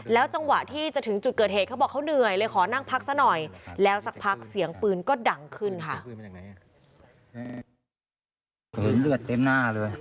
จังหวะที่จะถึงจุดเกิดเหตุเขาบอกเขาเหนื่อยเลยขอนั่งพักซะหน่อยแล้วสักพักเสียงปืนก็ดังขึ้นค่ะ